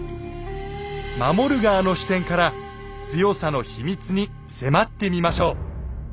守る側の視点から強さの秘密に迫ってみましょう。